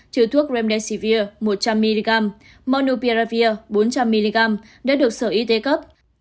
chứa thuốc remdesivir một trăm linh mg maunopia bốn trăm linh mg đã được sở y tế cấp